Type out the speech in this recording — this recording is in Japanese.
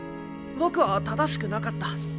僕は正しくなかった。